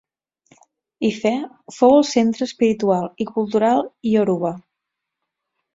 Ife fou el centre espiritual i cultural ioruba.